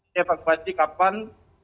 ke efek kualitas kapan